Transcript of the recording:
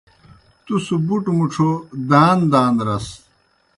تُس بُٹوْ مُڇھو دان دان رَس۔